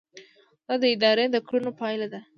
دا د ادارې د کړنو پایله ده.